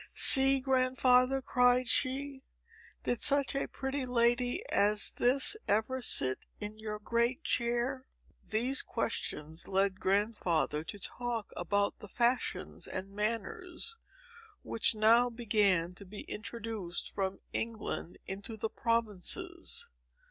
"See, Grandfather," cried she. "Did such a pretty lady as this ever sit in your great chair?" These questions led Grandfather to talk about the fashions and manners, which now began to be introduced from England into the provinces.